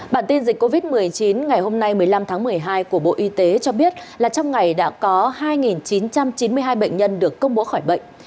bản tin dịch covid một mươi chín ngày hôm nay một mươi năm tháng một mươi hai của bộ y tế cho biết là trong ngày đã có hai chín trăm chín mươi hai bệnh nhân được công bố khỏi bệnh